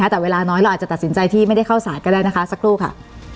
แต่เวลาน้อยเราอาจจะตัดสินใจที่ไม่ได้เข้าสารก็ได้นะคะสักครู่ค่ะ